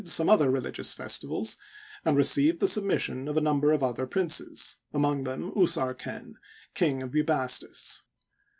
117 some other religious festivals and received the submission of a number of other princes, among them Usarken, King of Bubastis.